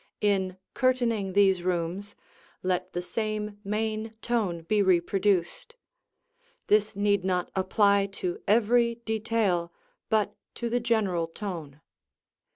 In curtaining these rooms let the same main tone be reproduced; this need not apply to every detail but to the general tone.